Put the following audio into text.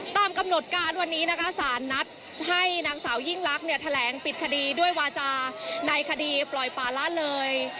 ตามกำหนดการวันนี้นะคะสารนัดให้นางสาวยิ่งลักษณ์เนี่ยแถลงปิดคดีด้วยวาจาในคดีปล่อยป่าละเลย